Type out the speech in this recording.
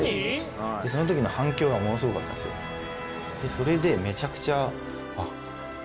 それでめちゃくちゃ。